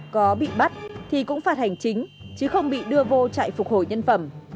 có bị bắt thì cũng phạt hành chính chứ không bị đưa vô chạy phục hồi nhân phẩm